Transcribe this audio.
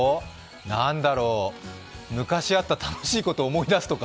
何だろう昔あった楽しいことを思い出すとか？